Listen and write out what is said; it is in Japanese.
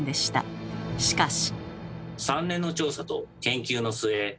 しかし。